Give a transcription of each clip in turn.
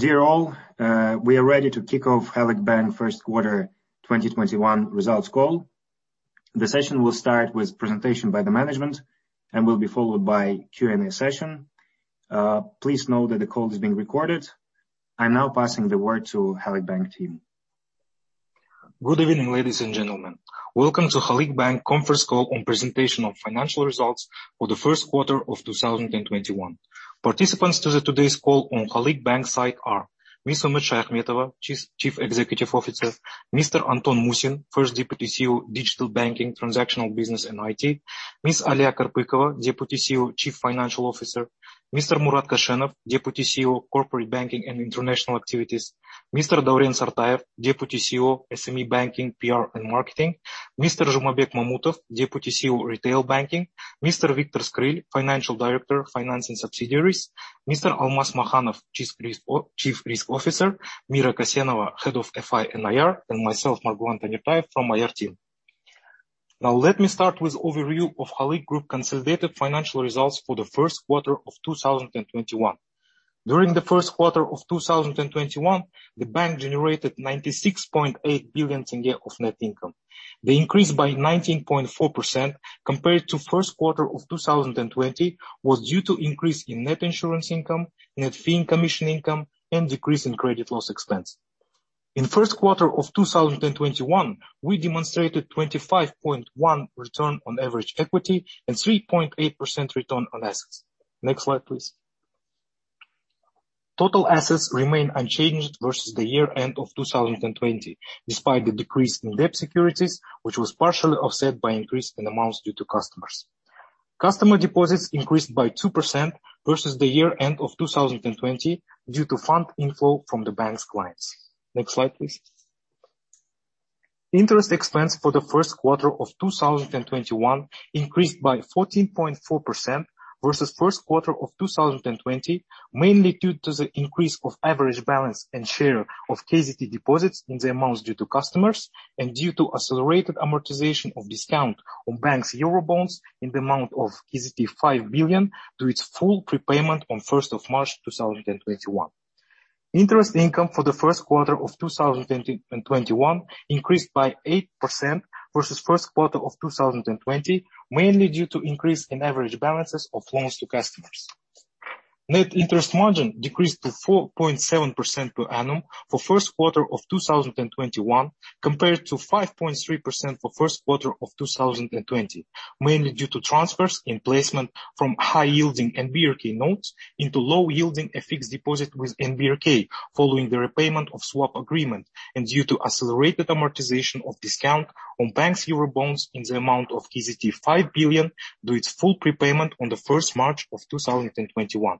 Dear all, we are ready to kick off Halyk Bank first quarter 2021 results call. The session will start with presentation by the management and will be followed by Q&A session. Please note that the call is being recorded. I am now passing the word to Halyk Bank team. Good evening, ladies and gentlemen. Welcome to Halyk Bank conference call on presentation of financial results for the first quarter of 2021. Participants to today's call on Halyk Bank side are Ms. Umut Shayakhmetova, Chief Executive Officer, Mr. Anton Musin, First Deputy CEO, Digital Banking, Transactional Business and IT, Ms. Aliya Karpykova, Deputy CEO, Chief Financial Officer, Mr. Murat Koshenov, Deputy CEO, Corporate Banking and International Activities, Mr. Dauren Sartayev, Deputy CEO, SME Banking, PR and Marketing, Mr. Zhumabek Mamutov, Deputy CEO, Retail Banking, Mr. Viktor Skryl, Financial Director, Finance and Subsidiaries, Mr. Almas Makhanov, Chief Risk Officer, Mira Kassenova, Head of FI and IR, and myself, Margulan Tanirtayev from IR team. Let me start with overview of Halyk Group consolidated financial results for the first quarter of 2021. During the first quarter of 2021, the bank generated KZT 96.8 billion of net income. The increase by 19.4% compared to first quarter of 2020 was due to increase in net insurance income, net fee and commission income and decrease in credit loss expense. In first quarter of 2021, we demonstrated 25.1% return on average equity and 3.8% return on assets. Next slide, please. Total assets remain unchanged versus the year end of 2020, despite the decrease in debt securities, which was partially offset by increase in amounts due to customers. Customer deposits increased by 2% versus the year end of 2020 due to fund inflow from the bank's clients. Next slide, please. Interest expense for the first quarter of 2021 increased by 14.4% versus first quarter of 2020, mainly due to the increase of average balance and share of KZT deposits in the amounts due to customers and due to accelerated amortization of discount on bank's Eurobonds in the amount of KZT 5 billion due its full prepayment on 1st of March 2021. Interest income for the first quarter of 2021 increased by 8% versus first quarter of 2020, mainly due to increase in average balances of loans to customers. Net interest margin decreased to 4.7% per annum for first quarter of 2021 compared to 5.3% for first quarter of 2020, mainly due to transfers in placement from high-yielding NBRK notes into low-yielding fixed deposit with NBRK following the repayment of swap agreement and due to accelerated amortization of discount on bank's Eurobonds in the amount of KZT 5 billion due its full prepayment on the 1st March of 2021.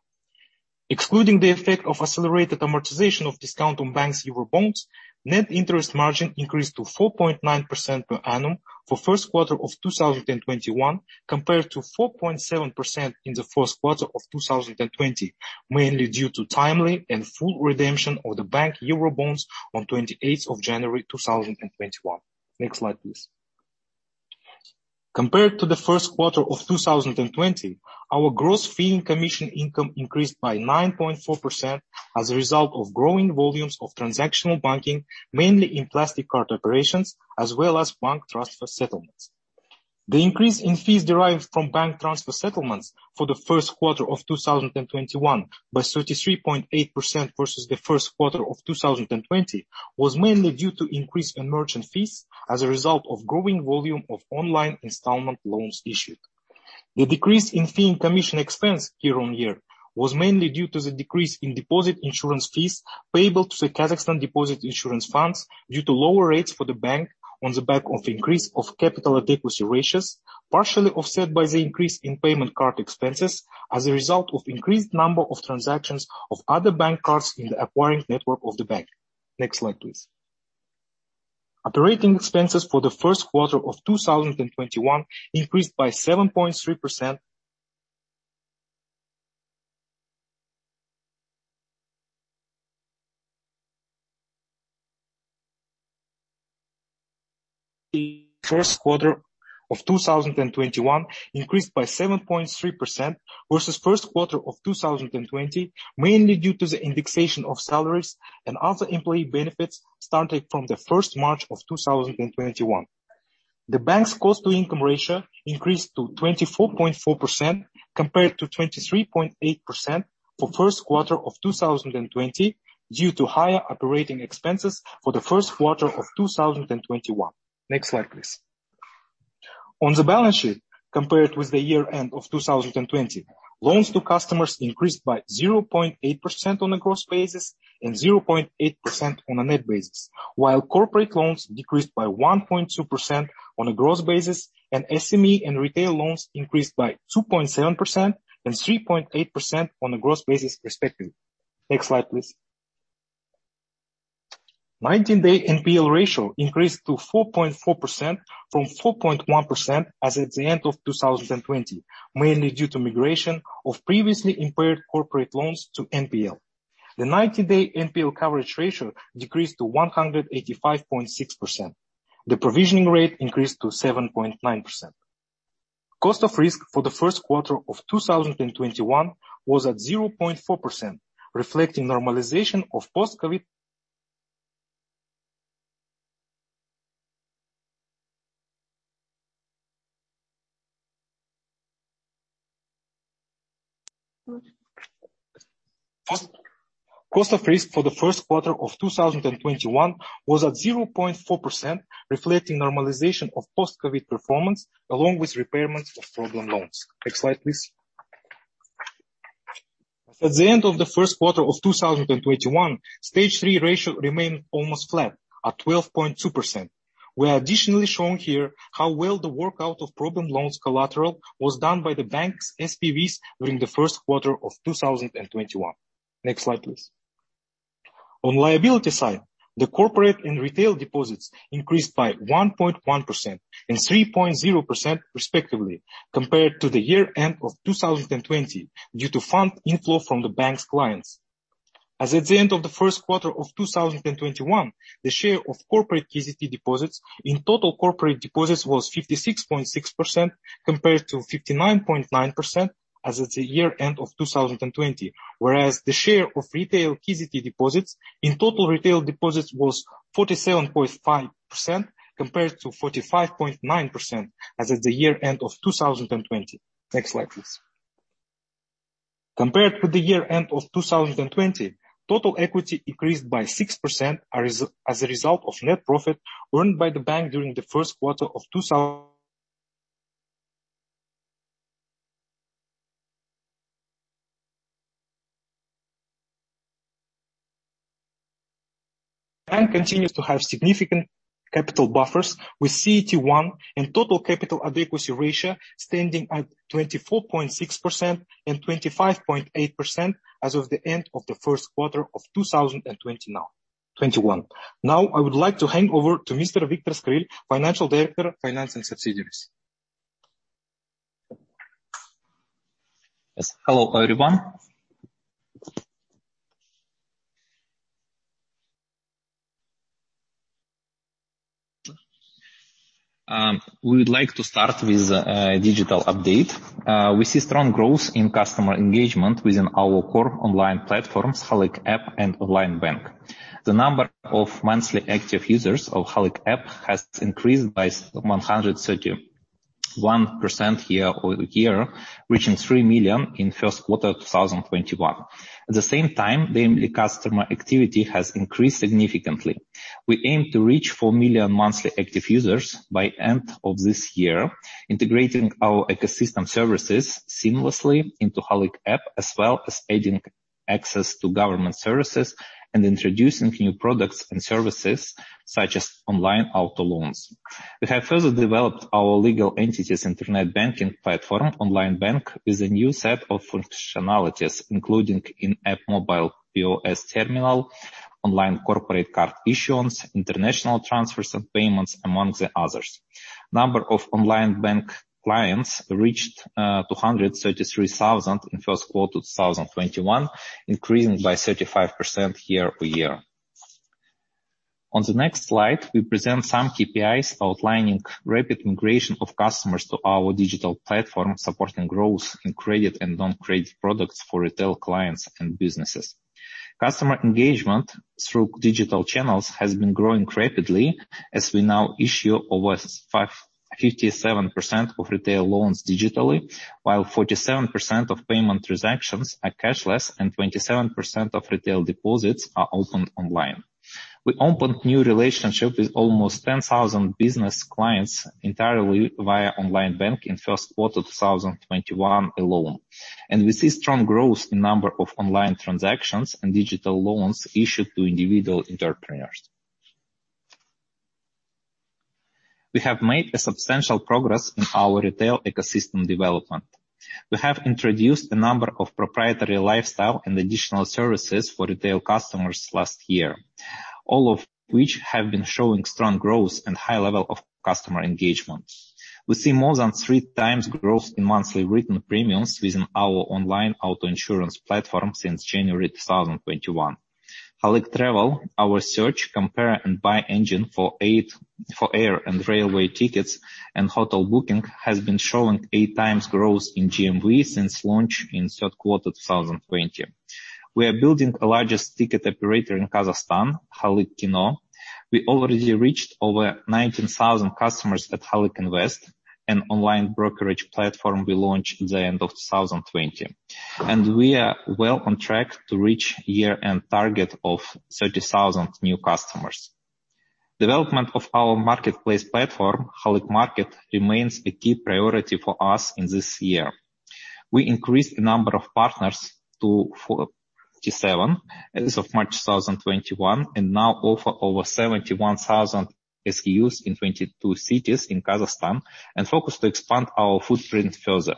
Excluding the effect of accelerated amortization of discount on bank's Eurobonds, net interest margin increased to 4.9% per annum for first quarter of 2021 compared to 4.7% in the first quarter of 2020, mainly due to timely and full redemption of the bank Eurobonds on 28th of January 2021. Next slide, please. Compared to the first quarter of 2020, our gross fee and commission income increased by 9.4% as a result of growing volumes of transactional banking, mainly in plastic card operations, as well as bank transfer settlements. The increase in fees derived from bank transfer settlements for the first quarter of 2021 by 33.8% versus the first quarter of 2020 was mainly due to increase in merchant fees as a result of growing volume of online installment loans issued. The decrease in fee and commission expense year-on-year was mainly due to the decrease in deposit insurance fees payable to the Kazakhstan Deposit Insurance Fund due to lower rates for the bank on the back of increase of capital adequacy ratios, partially offset by the increase in payment card expenses as a result of increased number of transactions of other bank cards in the acquiring network of the bank. Next slide, please. Operating expenses for the first quarter of 2021 increased by 7.3% versus first quarter of 2020, mainly due to the indexation of salaries and other employee benefits started from the 1st March 2021. The bank's cost-to-income ratio increased to 24.4% compared to 23.8% for first quarter of 2020 due to higher operating expenses for the first quarter of 2021. Next slide, please. On the balance sheet, compared with the year end of 2020, loans to customers increased by 0.8% on a gross basis and 0.8% on a net basis, while corporate loans decreased by 1.2% on a gross basis and SME and retail loans increased by 2.7% and 3.8% on a gross basis respectively. Next slide, please. 90-day NPL ratio increased to 4.4% from 4.1% as at the end of 2020, mainly due to migration of previously impaired corporate loans to NPL. The 90-day NPL coverage ratio decreased to 185.6%. The provision rate increased to 7.9%. Cost of risk for the first quarter of 2021 was at 0.4%, reflecting normalization of post-COVID performance, along with repayments of problem loans. Next slide, please. At the end of the first quarter of 2021, Stage three ratio remained almost flat at 12.2%. We are additionally shown here how well the workout of problem loans collateral was done by the bank's SPVs during the first quarter of 2021. Next slide, please. On the liability side, the corporate and retail deposits increased by 1.1% and 3.0%, respectively, compared to the year-end of 2020 due to fund inflow from the bank's clients. As at the end of the first quarter of 2021, the share of corporate KZT deposits in total corporate deposits was 56.6% compared to 59.9% as at the year-end of 2020, whereas the share of retail KZT deposits in total retail deposits was 47.5% compared to 45.9% as at the year-end of 2020. Next slide, please. Compared to the year-end of 2020, total equity increased by 6% as a result of net profit earned by the bank during the first quarter, the bank continues to have significant capital buffers with CET1 and total capital adequacy ratio standing at 24.6% and 25.8% as of the end of the first quarter of 2021. Now, I would like to hand over to Mr. Viktor Skryl, Financial Director, Finance and Subsidiaries. Hello, everyone. We would like to start with a digital update. We see strong growth in customer engagement within our core online platforms, Halyk App and Onlinebank. The number of monthly active users of Halyk App has increased by 131% year-over-year, reaching 3 million in first quarter 2021. At the same time, daily customer activity has increased significantly. We aim to reach 4 million monthly active users by end of this year, integrating our ecosystem services seamlessly into Halyk App, as well as adding access to government services and introducing new products and services such as online auto loans. We have further developed our legal entities internet banking platform, Onlinebank, with a new set of functionalities, including in-app mobile POS terminal, online corporate card issuance, international transfers and payments, among the others. Number of Onlinebank clients reached 233,000 in first quarter 2021, increasing by 35% year-over-year. On the next slide, we present some KPIs outlining rapid migration of customers to our digital platform, supporting growth in credit and non-credit products for retail clients and businesses. Customer engagement through digital channels has been growing rapidly as we now issue over 57% of retail loans digitally, while 47% of payment transactions are cashless and 27% of retail deposits are opened online. We opened new relationship with almost 10,000 business clients entirely via Onlinebank in first quarter 2021 alone, and we see strong growth in number of online transactions and digital loans issued to individual entrepreneurs. We have made a substantial progress in our retail ecosystem development. We have introduced a number of proprietary lifestyle and additional services for retail customers last year, all of which have been showing strong growth and high level of customer engagement. We see more than 3x growth in monthly written premiums within our online auto insurance platform since January 2021. Halyk Travel, our search, compare, and buy engine for air and railway tickets and hotel booking has been showing 8x growth in GMV since launch in third quarter 2020. We are building the largest ticket operator in Kazakhstan, Halyk Kino. We already reached over 19,000 customers at Halyk Invest, an online brokerage platform we launched at the end of 2020. We are well on track to reach year-end target of 30,000 new customers. Development of our marketplace platform, Halyk Market, remains a key priority for us in this year. We increased the number of partners to 47 as of March 2021 and now offer over 71,000 SKUs in 22 cities in Kazakhstan and focus to expand our footprint further.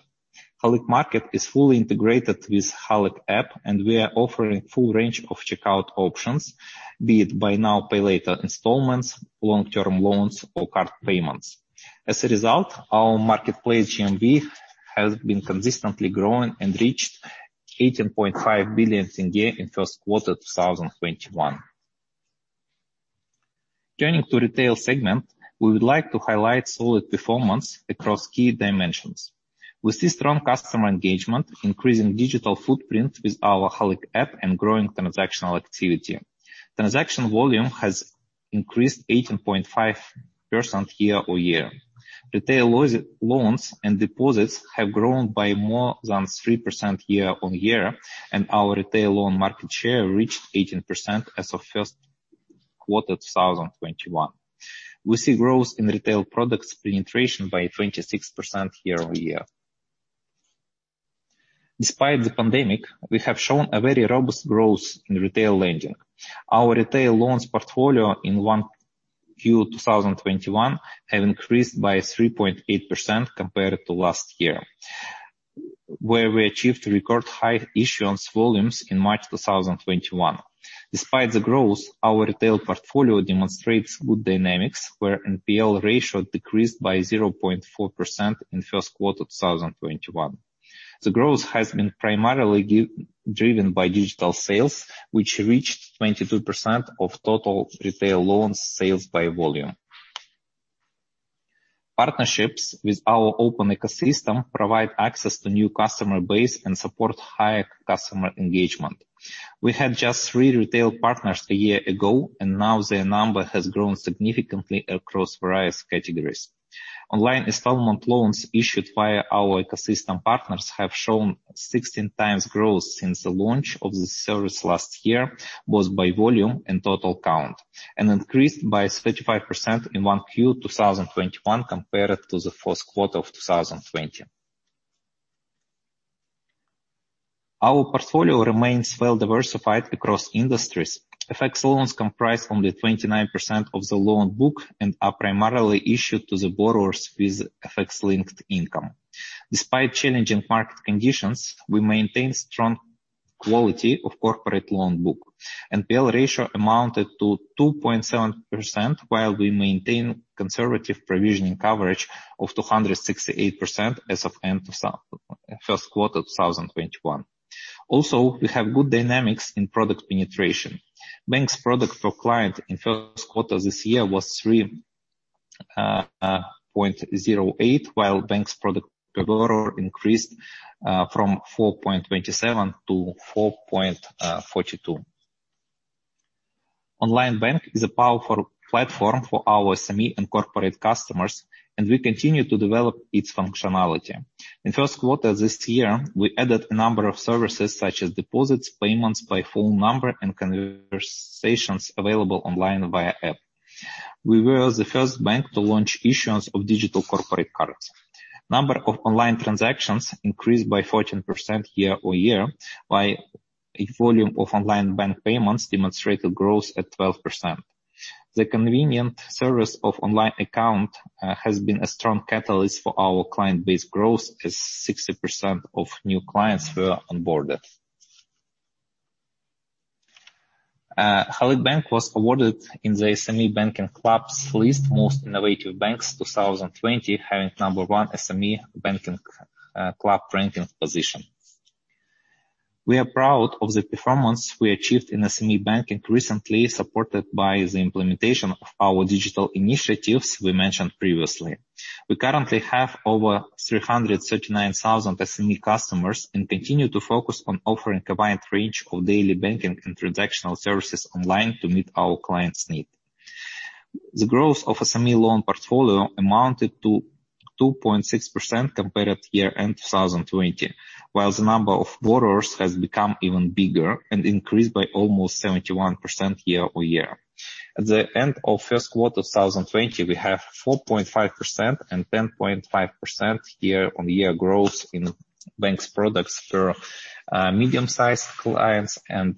Halyk Market is fully integrated with Halyk App, and we are offering full range of checkout options, be it buy now, pay later installments, long-term loans, or card payments. As a result, our marketplace GMV has been consistently growing and reached KZT 18.5 billion in first quarter 2021. Turning to retail segment, we would like to highlight solid performance across key dimensions. We see strong customer engagement, increasing digital footprint with our Halyk App and growing transactional activity. Transaction volume has increased 18.5% year-over-year. Retail loans and deposits have grown by more than 3% year-on-year, and our retail loan market share reached 18% as of first quarter 2021. We see growth in retail products penetration by 26% year-over-year. Despite the pandemic, we have shown a very robust growth in retail lending. Our retail loans portfolio in Q1 2021 have increased by 3.8% compared to last year, where we achieved record high issuance volumes in March 2021. Despite the growth, our retail portfolio demonstrates good dynamics, where NPL ratio decreased by 0.4% in first quarter 2021. The growth has been primarily driven by digital sales, which reached 22% of total retail loans sales by volume. Partnerships with our open ecosystem provide access to new customer base and support higher customer engagement. We had just three retail partners a year ago, and now their number has grown significantly across various categories. Online installment loans issued via our ecosystem partners have shown 16x growth since the launch of the service last year, both by volume and total count, and increased by 35% in Q1 2021 compared to the fourth quarter of 2020. Our portfolio remains well-diversified across industries. FX loans comprise only 29% of the loan book and are primarily issued to the borrowers with FX-linked income. Despite challenging market conditions, we maintain strong quality of corporate loan book. NPL ratio amounted to 2.7%, while we maintain conservative provisioning coverage of 268% as of end of first quarter 2021. Also, we have good dynamics in product penetration. Banks product per client in first quarter this year was 3.08%, while banks product per borrower increased from 4.27%-4.42%. Onlinebank is a powerful platform for our SME and corporate customers, and we continue to develop its functionality. In first quarter this year, we added a number of services such as deposits, payments by phone number, and conversations available online via app. We were the first bank to launch issuance of digital corporate cards. Number of online transactions increased by 14% year-over-year by a volume of Onlinebank payments demonstrated growth at 12%. The convenient service of online account has been a strong catalyst for our client base growth as 60% of new clients were onboarded. Halyk Bank was awarded in the SME Banking Club's list Most Innovative Banks 2020, having number one SME Banking Club ranking position. We are proud of the performance we achieved in SME banking recently, supported by the implementation of our digital initiatives we mentioned previously. We currently have over 339,000 SME customers and continue to focus on offering combined range of daily banking and transactional services online to meet our clients' need. The growth of SME loan portfolio amounted to 2.6% compared to year-end 2020, while the number of borrowers has become even bigger and increased by almost 71% year-over-year. At the end of first quarter 2020, we have 4.5% and 10.5% year-over-year growth in banks products for medium-sized clients and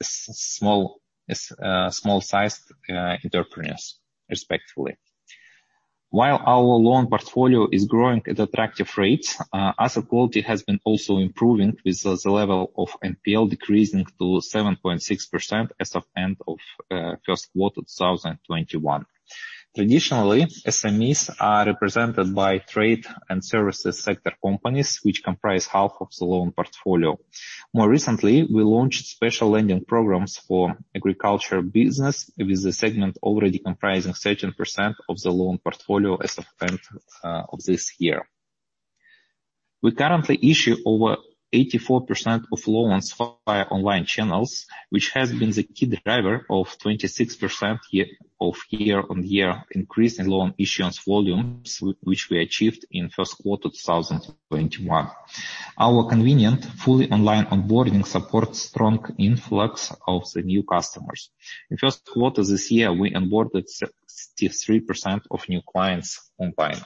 small-sized entrepreneurs, respectively. While our loan portfolio is growing at attractive rates, asset quality has been also improving with the level of NPL decreasing to 7.6% as of end of first quarter 2021. Traditionally, SMEs are represented by trade and services sector companies, which comprise half of the loan portfolio. More recently, we launched special lending programs for agriculture business, with the segment already comprising 13% of the loan portfolio as of end of this year. We currently issue over 84% of loans via online channels, which has been the key driver of 26% of year-on-year increase in loan issuance volumes, which we achieved in first quarter 2021. Our convenient, fully online onboarding supports strong influx of the new customers. In first quarter this year, we onboarded 63% of new clients online.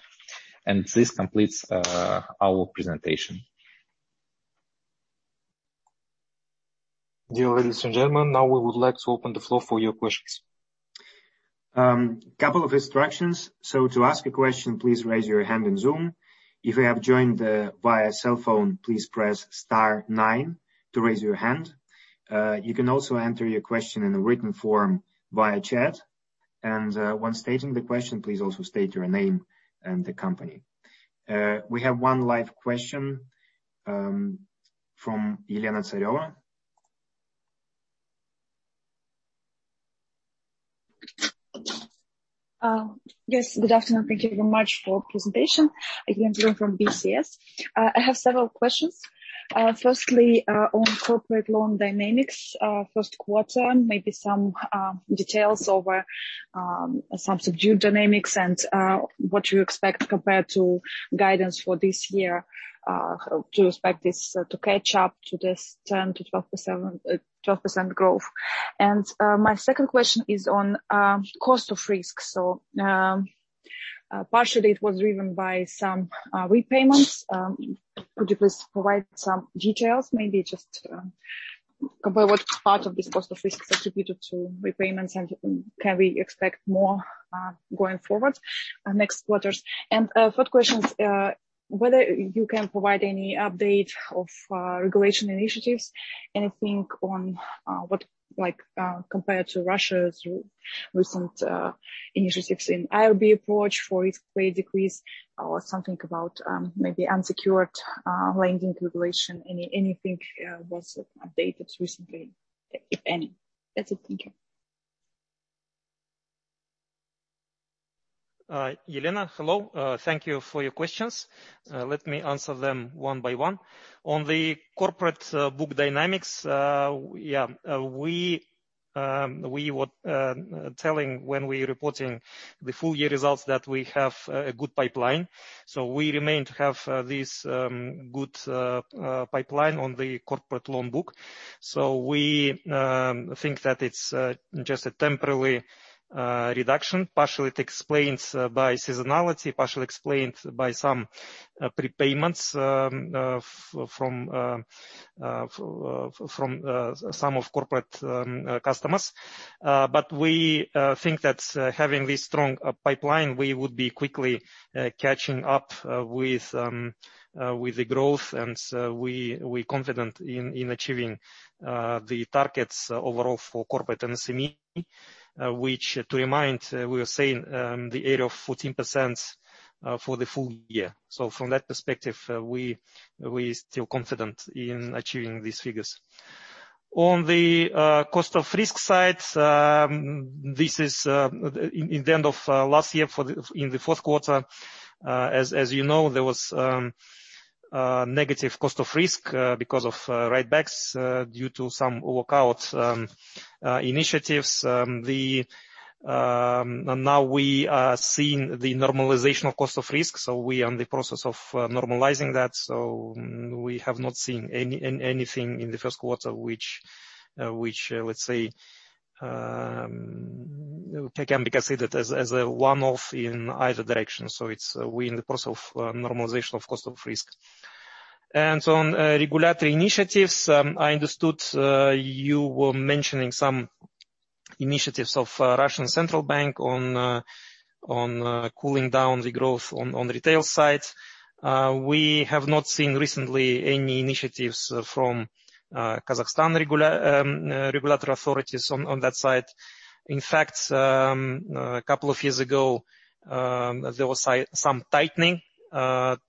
This completes our presentation. Dear ladies and gentlemen, now we would like to open the floor for your questions. Couple of instructions. To ask a question, please raise your hand in Zoom. If you have joined via cell phone, please press star nine to raise your hand. You can also enter your question in a written form via chat. When stating the question, please also state your name and the company. We have one live question from [Elena Tsareva]. Yes. Good afternoon. Thank you very much for presentation. [Elena Jordan] from BCS. I have several questions. Firstly, on corporate loan dynamics, first quarter, maybe some details over some subdued dynamics and what you expect compared to guidance for this year to expect this to catch up to this 10%-12% growth. My second question is on cost of risk. Partially it was driven by some repayments. Could you please provide some details, maybe just about what part of this cost of risk attributed to repayments, and can we expect more going forward next quarters? Third question, whether you can provide any update of regulation initiatives, anything compared to Russia's recent initiatives in IRB approach for its PD decrease or something about maybe unsecured lending regulation? Anything was updated recently, if any? That's it. Thank you. [Elena], hello. Thank you for your questions. Let me answer them one by one. On the corporate book dynamics, yeah, we were telling when we were reporting the full year results that we have a good pipeline. We remain to have this good pipeline on the corporate loan book. We think that it's just a temporary reduction. Partially it explains by seasonality, partially explained by some prepayments from some of corporate customers. We think that having this strong pipeline, we would be quickly catching up with the growth, we're confident in achieving the targets overall for corporate and SME, which to remind, we are saying the area of 14% for the full year. From that perspective, we're still confident in achieving these figures. On the cost of risk side, in the end of last year, in the fourth quarter, as you know, there was negative cost of risk because of write-backs due to some workout initiatives. We are seeing the normalization of cost of risk, so we are in the process of normalizing that. We have not seen anything in the first quarter, which I would say can be considered as a one-off in either direction. We're in the process of normalization of cost of risk. On regulatory initiatives, I understood you were mentioning some initiatives of Russian Central Bank on cooling down the growth on retail side. We have not seen recently any initiatives from Kazakhstan regulatory authorities on that side. In fact, a couple of years ago, there was some tightening to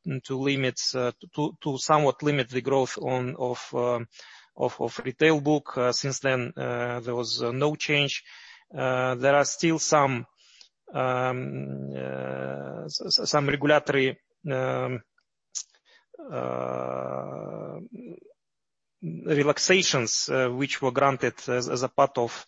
somewhat limit the growth of retail book. Since then, there was no change. There are still some regulatory relaxations which were granted as a part of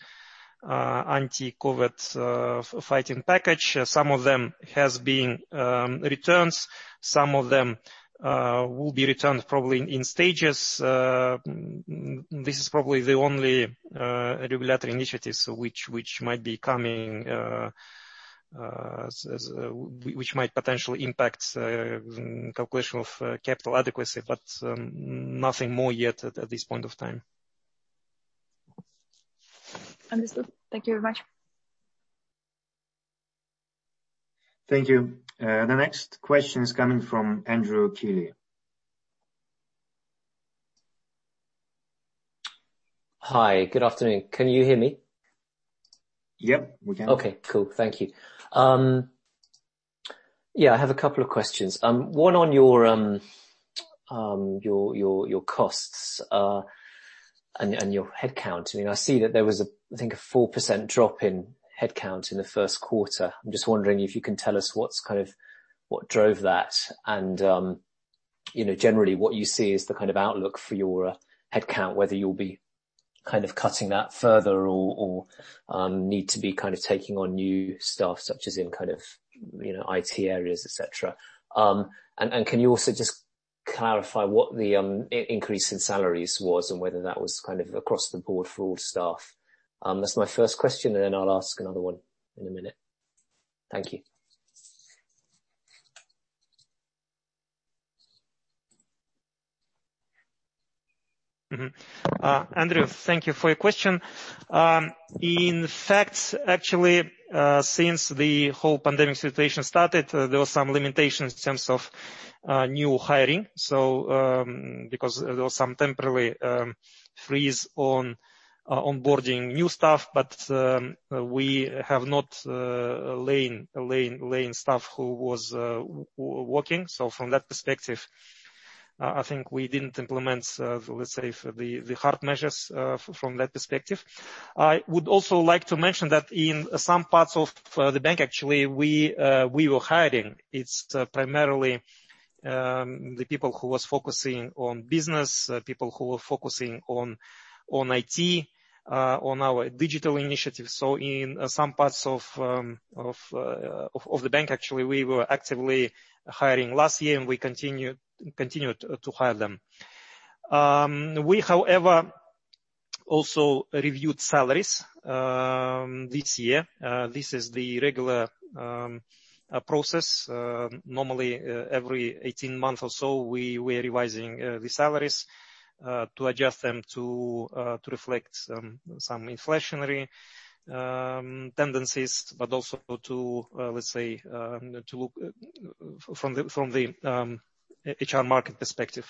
anti-COVID fighting package. Some of them has been returned, some of them will be returned probably in stages. This is probably the only regulatory initiative which might potentially impact calculation of capital adequacy, but nothing more yet at this point of time. Understood. Thank you very much. Thank you. The next question is coming from Andrew Keeley. Hi. Good afternoon. Can you hear me? Yeah, we can. Okay, cool. Thank you. I have a couple of questions. One on your costs and your head count. I see that there was, I think, a 4% drop in head count in the first quarter. I'm just wondering if you can tell us what drove that and generally what you see is the kind of outlook for your head count, whether you'll be cutting that further or need to be taking on new staff, such as in IT areas, et cetera? Can you also just clarify what the increase in salaries was and whether that was across the board for all staff? That's my first question, and then I'll ask another one in a minute. Thank you. Mm-hmm. Andrew, thank you for your question. In fact, actually, since the whole pandemic situation started, there were some limitations in terms of new hiring, because there was some temporary freeze on onboarding new staff, but we have not laid any staff who was working. From that perspective, I think we didn't implement, let's say, the hard measures from that perspective. I would also like to mention that in some parts of the bank, actually, we were hiring. It's primarily the people who was focusing on business, people who were focusing on IT, on our digital initiatives. In some parts of the bank, actually, we were actively hiring last year, and we continued to hire them. We, however, also reviewed salaries this year. This is the regular process. Normally, every 18 months or so, we're revising the salaries to adjust them to reflect some inflationary tendencies, but also to, let's say, to look from the HR market perspective.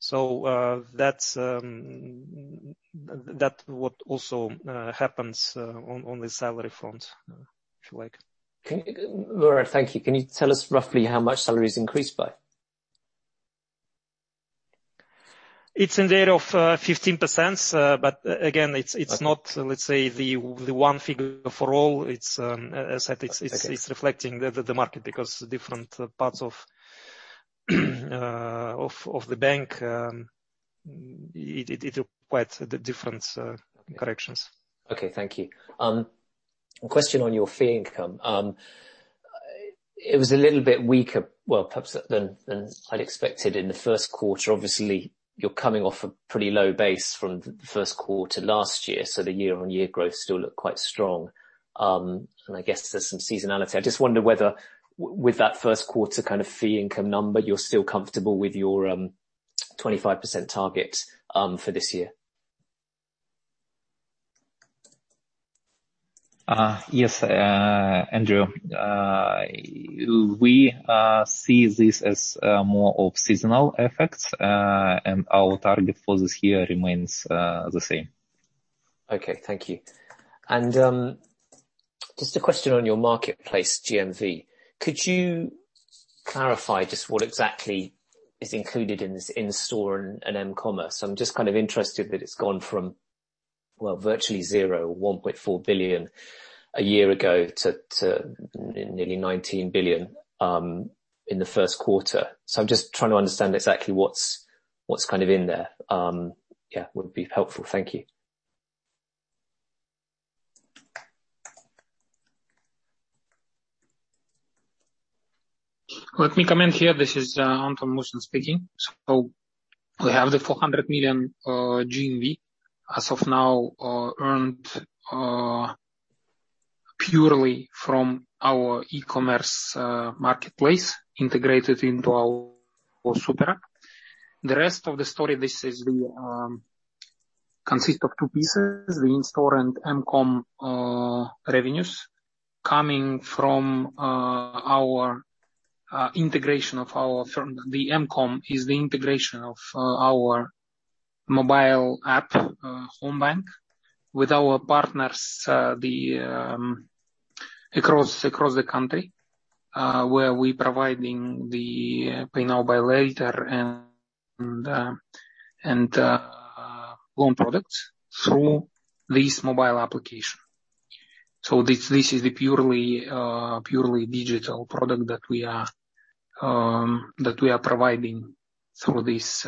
That's what also happens on the salary front, if you like. All right. Thank you. Can you tell us roughly how much salaries increased by? It's in the range of 15%, but again, it's not, let's say the one figure for all. It's reflecting the market because different parts of the bank require different corrections. Okay. Thank you. Question on your fee income. It was a little bit weaker, well, perhaps than I expected in the first quarter. Obviously, you're coming off a pretty low base from the first quarter last year, so the year-on-year growth still looked quite strong. I guess there's some seasonality. I just wonder whether with that first quarter fee income number, you're still comfortable with your 25% target for this year. Yes, Andrew. We see this as more of seasonal effects, and our target for this year remains the same. Okay. Thank you. Just a question on your marketplace GMV. Could you clarify just what exactly is included in store and mCommerce? I'm just kind of interested that it's gone from, well, virtually zero, KZT 1.4 billion a year ago to nearly KZT 19 billion in the first quarter. I'm just trying to understand exactly what's in there? Yeah, would be helpful. Thank you. Let me come in here. This is Anton Musin speaking. We have the KZT 400 million GMV as of now earned purely from our e-commerce marketplace integrated into our super app. The rest of the story, this consists of two pieces, the in-store and mCom revenues coming from our integration of our mobile app, Homebank, with our partners across the country, where we're providing the buy now, pay later and loan products through this mobile application. This is a purely digital product that we are providing through this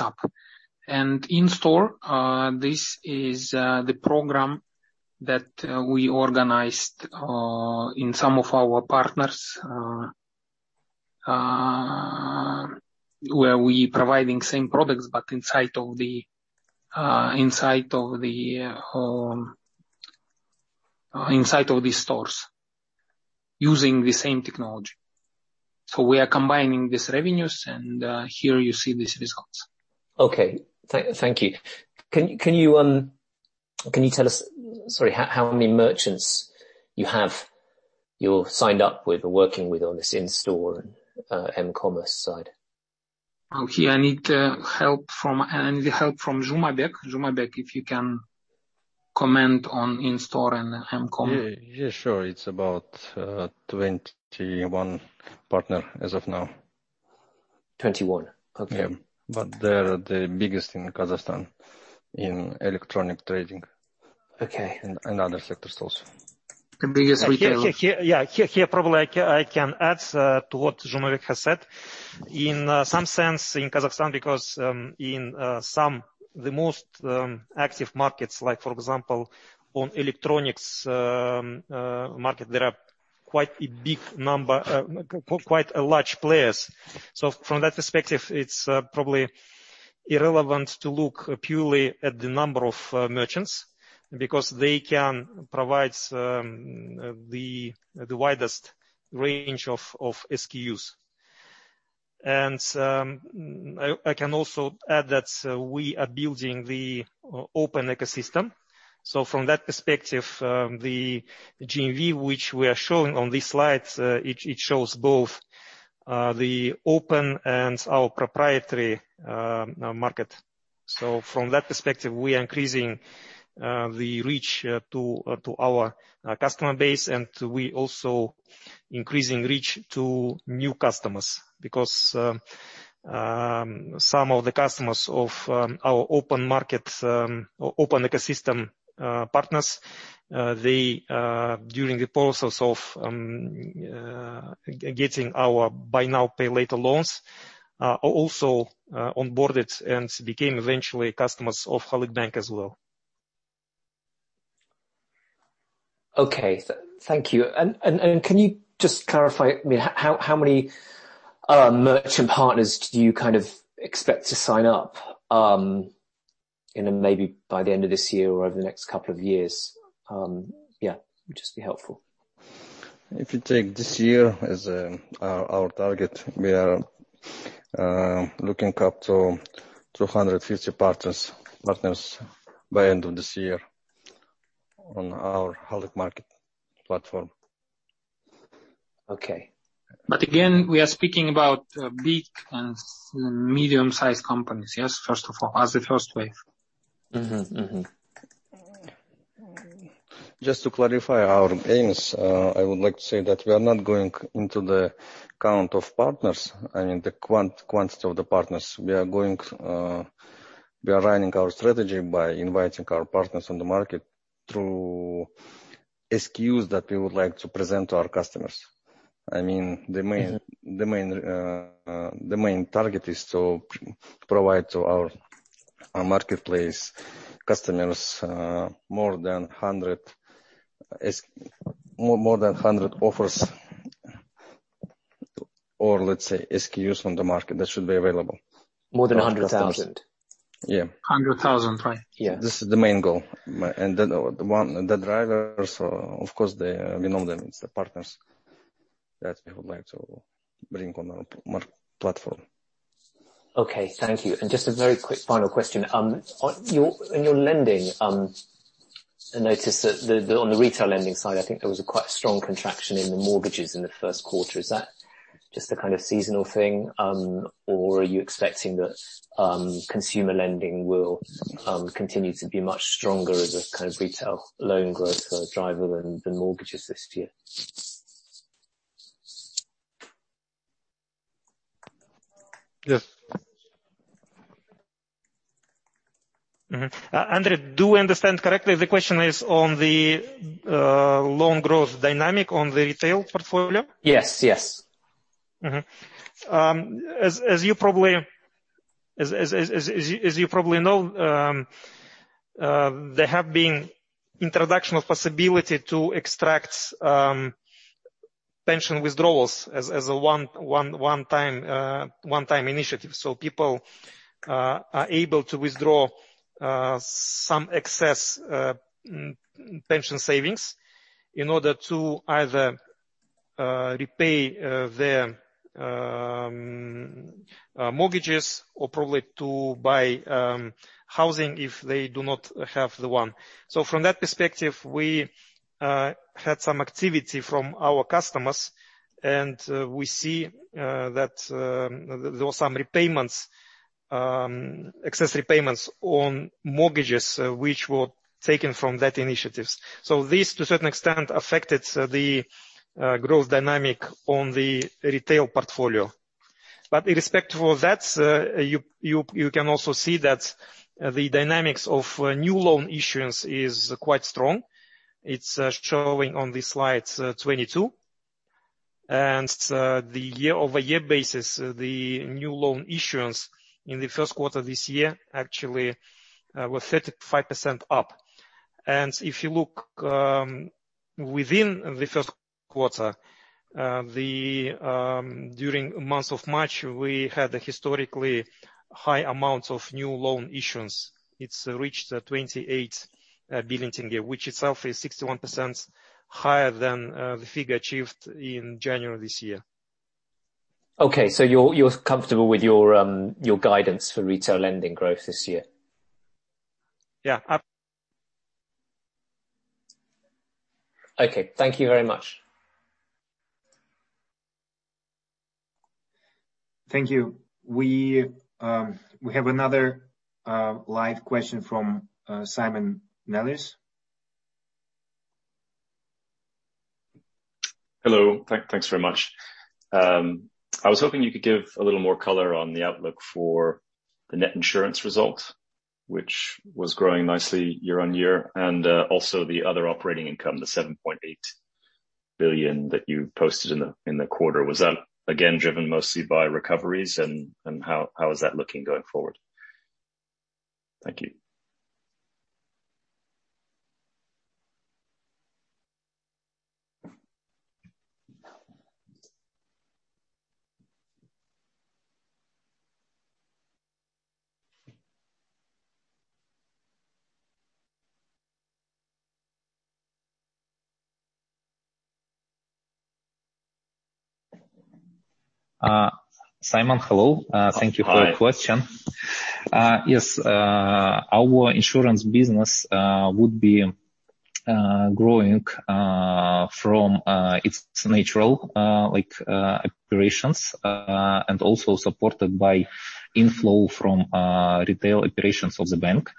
app. In-store, this is the program that we organized in some of our partners, where we're providing same products, but inside of the stores using the same technology. We are combining these revenues, and here you see these results. Okay. Thank you. Can you tell us, sorry, how many merchants you have you're signed up with or working with on this in-store and mCommerce side? Okay. I need help from Zhumabek. Zhumabek, if you can comment on in-store and mCommerce. Yeah. Sure. It's about 21 partner as of now. 21? Okay. Yeah. They're the biggest in Kazakhstan in electronic trading. Okay. Other sectors also. Yeah. Here, probably I can add to what Zhumabek has said. In some sense, in Kazakhstan, because in some, the most active markets, like for example, on electronics market, there are quite a large players. From that perspective, it's probably irrelevant to look purely at the number of merchants because they can provide the widest range of SKUs. I can also add that we are building the open ecosystem. From that perspective, the GMV which we are showing on these slides, it shows both the open and our proprietary market. From that perspective, we are increasing the reach to our customer base, and we also increasing reach to new customers. Because some of the customers of our open ecosystem partners, during the process of getting our buy now, pay later loans, are also onboarded and became eventually customers of Halyk Bank as well. Okay. Thank you. Can you just clarify, how many merchant partners do you expect to sign up maybe by the end of this year or over the next couple of years? Yeah, it would just be helpful. If you take this year as our target, we are looking up to 250 partners by end of this year on our Halyk Market platform. Okay. Again, we are speaking about big and medium-sized companies, yes, as the first wave. Just to clarify our aims, I would like to say that we are not going into the count of partners and the quantity of the partners. We are running our strategy by inviting our partners on the market through SKUs that we would like to present to our customers. The main target is to provide to our marketplace customers more than 100 offers, or let's say SKUs on the market that should be available. More than 100,000? Yeah. 100,000. Right. Yeah. This is the main goal. The drivers, of course, we know them, it's the partners that we would like to bring on our platform. Okay, thank you. Just a very quick final question. On your lending, I noticed that on the retail lending side, I think there was a quite strong contraction in the mortgages in the first quarter. Is that just a kind of seasonal thing, or are you expecting that consumer lending will continue to be much stronger as a kind of retail loan growth driver than mortgages this year? Yes. Mm-hmm. Andrew, do I understand correctly, the question is on the loan growth dynamic on the retail portfolio? Yes. As you probably know, there have been introduction of possibility to extract pension withdrawals as a one-time initiative. People are able to withdraw some excess pension savings in order to either repay their mortgages or probably to buy housing if they do not have the one. From that perspective, we had some activity from our customers, and we see that there was some excess repayments on mortgages which were taken from that initiatives. This, to a certain extent, affected the growth dynamic on the retail portfolio. Irrespective of that, you can also see that the dynamics of new loan issuance is quite strong. It is showing on this slide 22. The year-over-year basis, the new loan issuance in the first quarter this year actually were 35% up. If you look within the first quarter, during the month of March, we had a historically high amount of new loan issuance. It's reached KZT 28 billion, which itself is 61% higher than the figure achieved in January this year. Okay, you're comfortable with your guidance for retail lending growth this year? Yeah. Okay. Thank you very much. Thank you. We have another live question from [Simon Nellis]. Hello. Thanks very much. I was hoping you could give a little more color on the outlook for the net insurance result, which was growing nicely year-on-year, and also the other operating income, the KZT 7.8 billion that you posted in the quarter. Was that again driven mostly by recoveries, and how is that looking going forward? Thank you. [Simon], hello. Hi. Thank you for your question. Yes. Our insurance business would be. Growing from its natural operations, and also supported by inflow from retail operations of the bank.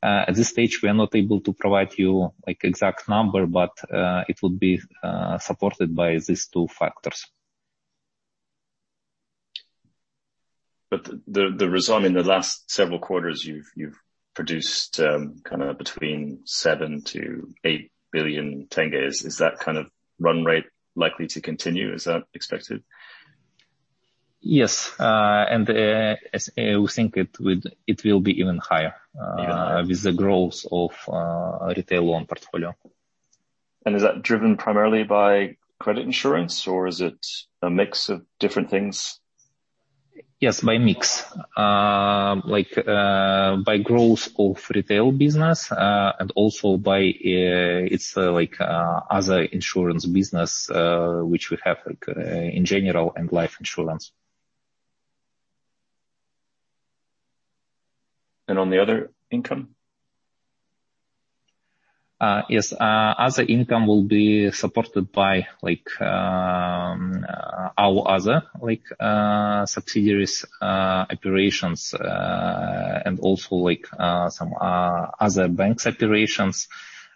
At this stage, we are not able to provide you an exact number, but it will be supported by these two factors. The result in the last several quarters, you've produced KZT 7 billion-KZT 8 billion. Is that kind of run rate likely to continue? Is that expected? Yes. We think it will be even higher. Yeah with the growth of retail loan portfolio. Is that driven primarily by credit insurance or is it a mix of different things? Yes, by mix. By growth of retail business, and also by its other insurance business, which we have in general and life insurance. On the other income? Yes. Other income will be supported by our other subsidiaries operations, and also some other banks operations,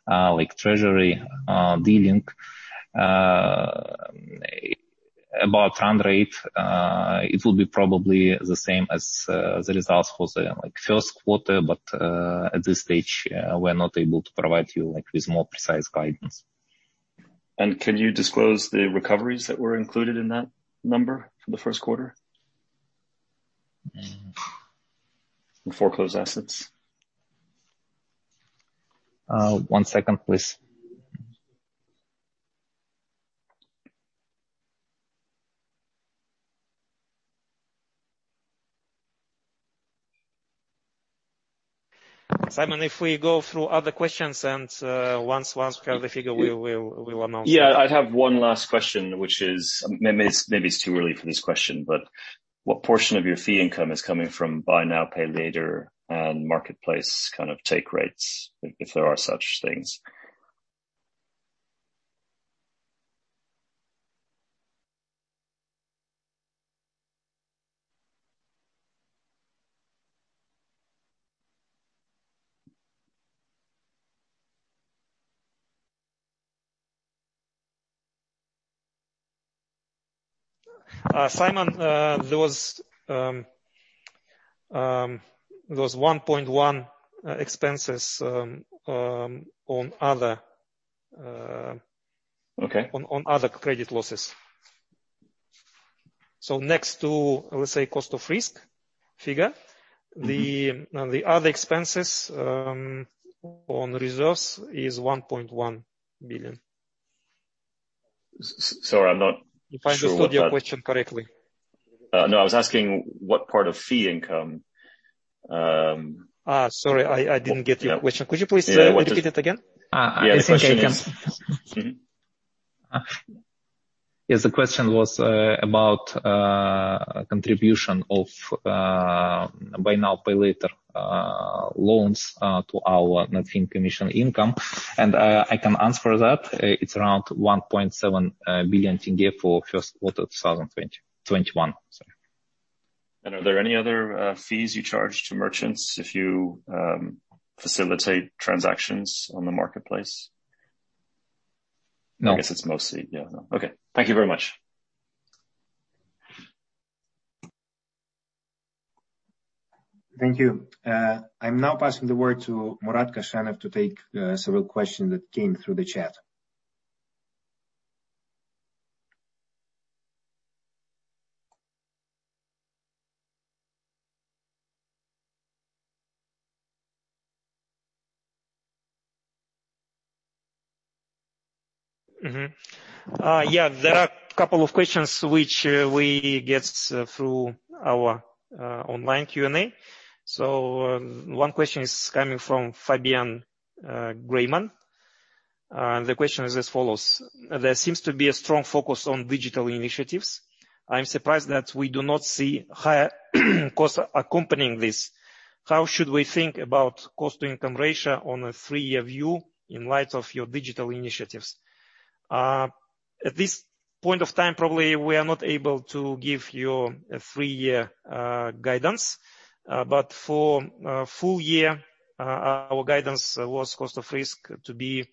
like treasury dealing. About run rate, it will be probably the same as the results for the first quarter, but at this stage, we're not able to provide you with more precise guidance. Can you disclose the recoveries that were included in that number for the first quarter? The foreclosed assets. One second, please. Simon, if we go through other questions, and once we have the figure, we will know. Yeah. I have one last question, which is, maybe it's too early for this question, but what portion of your fee income is coming from buy now, pay later, and marketplace take rates, if there are such things? Simon, there was KZT 1.1 expenses. Okay on other credit losses. next to, let's say cost of risk figure. the other expenses on reserves is KZT 1.1 billion. Sorry, I'm not sure. If I understood your question correctly. No, I was asking what part of fee income? Sorry, I didn't get your question. Could you please repeat it again? Yeah. I think I can. Yes, the question was about contribution of buy now, pay later loans to our net fee and commission income, and I can answer that. It's around KZT 1.7 billion for first quarter 2021, sorry. Are there any other fees you charge to merchants if you facilitate transactions on the marketplace? No. I guess it's mostly Yeah, no. Okay. Thank you very much. Thank you. I'm now passing the word to Murat Koshenov to take several questions that came through the chat. Yeah, there are a couple of questions which we get through our online Q&A. One question is coming from [Fabian Guiman]. The question is as follows: There seems to be a strong focus on digital initiatives. I'm surprised that we do not see higher costs accompanying this. How should we think about cost-to-income ratio on a full year view in light of your digital initiatives? At this point of time, probably, we are not able to give you a full year guidance. For full year, our guidance was cost of risk to be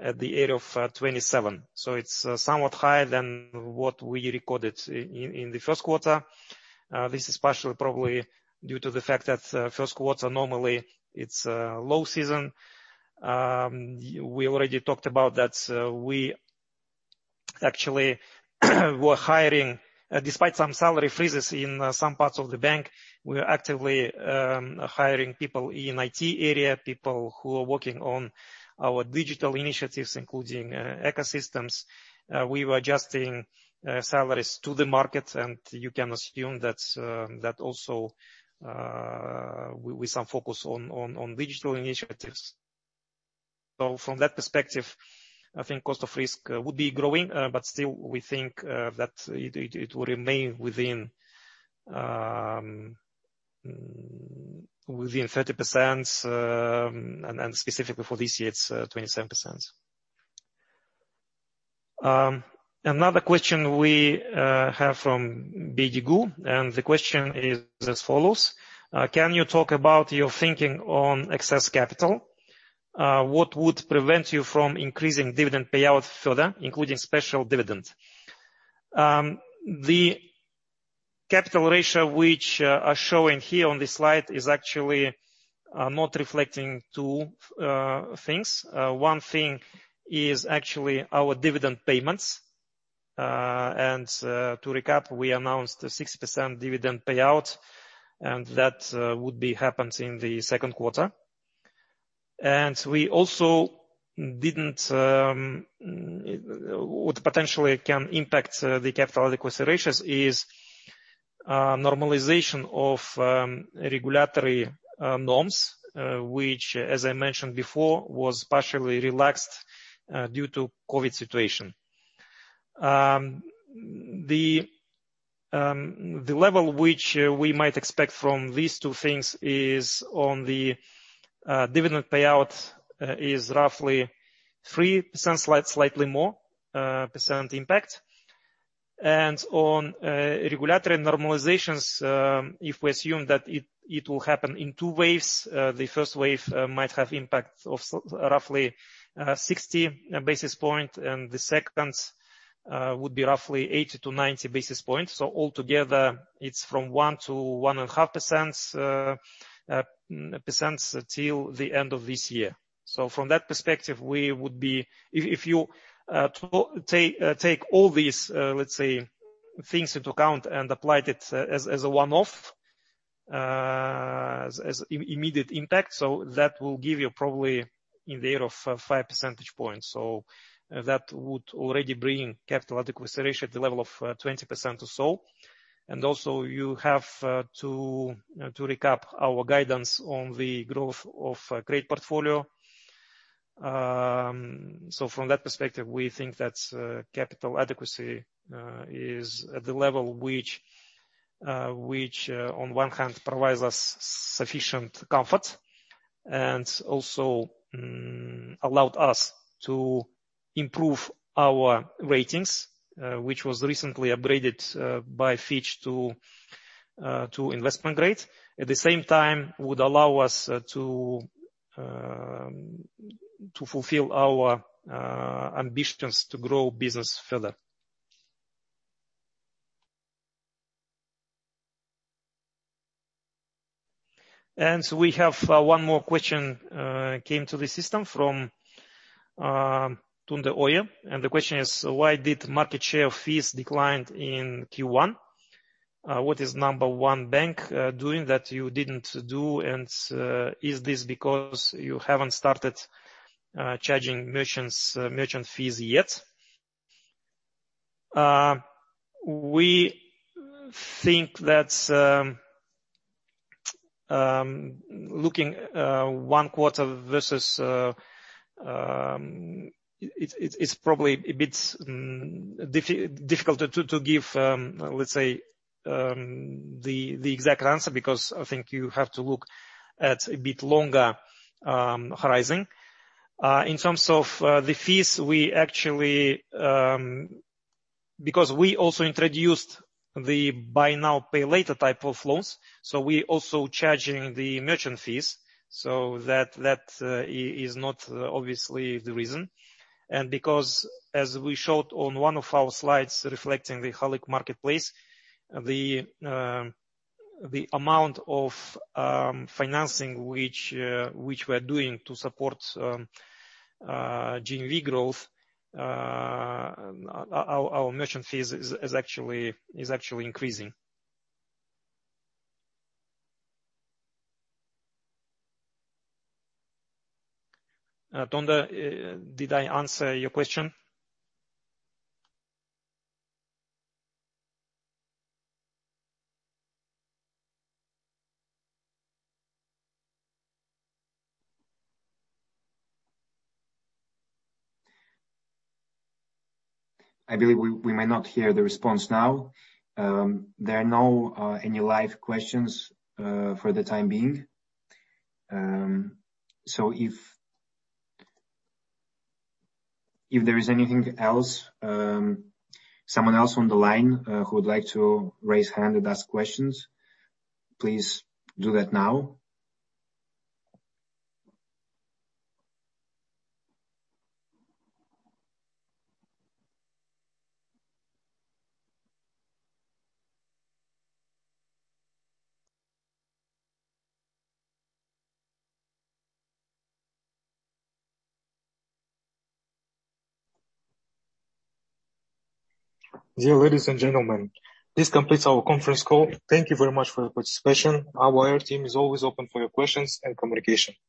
at the area of 27. It's somewhat higher than what we recorded in the first quarter. This is partially probably due to the fact that first quarter normally it's low season. We already talked about that we actually were hiring, despite some salary freezes in some parts of the Bank, we are actively hiring people in IT area, people who are working on our digital initiatives, including ecosystems. We were adjusting salaries to the market, and you can assume that also with some focus on digital initiatives. From that perspective, I think cost of risk would be growing, but still we think that it will remain within- Within 30%, and specifically for this year, it's 27%. Another question we have from [Biege Gu], and the question is as follows: can you talk about your thinking on excess capital? What would prevent you from increasing dividend payout further, including special dividend? The capital ratio which are showing here on this slide is actually not reflecting two things. One thing is actually our dividend payments. To recap, we announced a 6% dividend payout, and that would be happening in the second quarter. What potentially can impact the capital adequacy ratios is normalization of regulatory norms which, as I mentioned before, was partially relaxed due to COVID situation. The level which we might expect from these two things is on the dividend payout is roughly 3%, slightly more percent impact. On regulatory normalizations, if we assume that it will happen in two waves, the first wave might have impact of roughly 60 basis points, the second would be roughly 80-90 basis points. Altogether, it's from 1%-1.5% till the end of this year. From that perspective, if you take all these, let's say, things into account and applied it as a one-off, as immediate impact, that will give you probably in the order of five percentage points. That would already bring capital adequacy ratio to the level of 20% or so. Also you have to recap our guidance on the growth of credit portfolio. From that perspective, we think that capital adequacy is at the level which on one hand provides us sufficient comfort and also allowed us to improve our ratings, which was recently upgraded by Fitch to investment grade. At the same time, would allow us to fulfill our ambitions to grow business further. We have one more question came to the system from [Tunde Ojo], and the question is, why did market share fees decline in Q1? What is number one bank doing that you didn't do? Is this because you haven't started charging merchant fees yet? We think that looking one quarter it's probably a bit difficult to give, let's say, the exact answer because I think you have to look at a bit longer horizon. In terms of the fees, because we also introduced the buy now, pay later type of loans, we're also charging the merchant fees. That is not obviously the reason. Because as we showed on one of our slides reflecting the Halyk Market, the amount of financing which we're doing to support GMV growth, our merchant fees is actually increasing. [Tunde], did I answer your question? I believe we may not hear the response now. There are no any live questions for the time being. If there is anything else, someone else on the line who would like to raise hand and ask questions, please do that now. Dear ladies and gentlemen, this completes our conference call. Thank you very much for your participation. Our team is always open for your questions and communication.